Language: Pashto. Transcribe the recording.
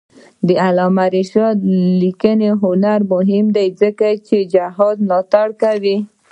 د علامه رشاد لیکنی هنر مهم دی ځکه چې جهاد ملاتړ کوي.